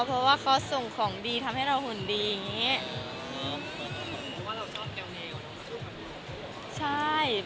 เพราะว่าเขาส่งของดีทำให้เราหุ่นดีอย่างนี้